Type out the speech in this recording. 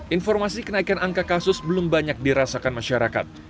informasi kenaikan angka kasus belum banyak dirasakan masyarakat